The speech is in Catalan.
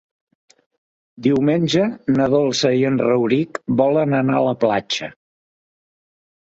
Diumenge na Dolça i en Rauric volen anar a la platja.